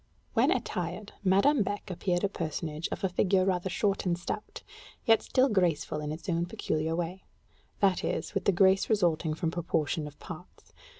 When attired, Madame Beck appeared a personage of a figure rather short and stout, yet still graceful in its own peculiar way: that is, with the grace resulting from proportion of parts.